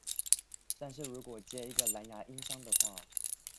但是如果接一個藍芽音箱的話